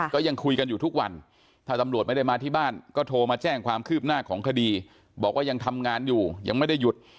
ก็ยังคุยกันอยู่ทุกวันถ้าตำรวจไม่ได้มาที่บ้านก็โทรมาแจ้งความคืบหน้าของคดีบอกว่ายังทำงานอยู่ยังไม่ได้หยุด